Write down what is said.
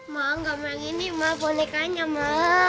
ma enggak mau yang ini ma bonekanya ma